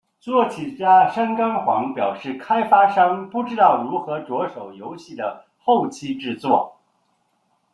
作曲家山冈晃表示开发商不知道如何着手游戏的后期制作。